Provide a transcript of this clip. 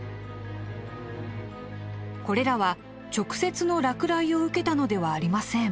これらは直接の落雷を受けたのではありません。